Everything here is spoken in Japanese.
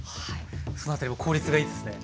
そのあたりも効率がいいですね。